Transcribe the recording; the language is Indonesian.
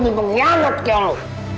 ampuni pengianat ke lo